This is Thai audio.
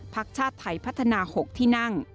พักชาติไทยพัฒนา๖ที่นั่ง